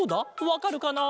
わかるかな？